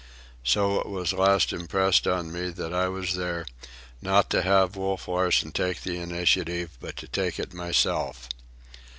So it was at last impressed upon me that I was there, not to have Wolf Larsen take the initiative, but to take it myself.